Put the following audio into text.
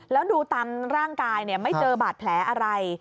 แล้วดูตามร่างกายไม่เจอบาดแผลอะไร